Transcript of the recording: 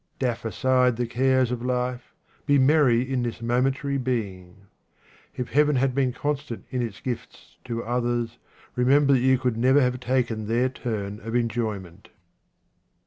Daff aside the cares of life, be merry in this momentary being. If Heaven had been constant in its gifts to others, remember that you could never have taken their turn of enjoyment.